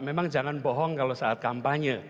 memang jangan bohong kalau saat kampanye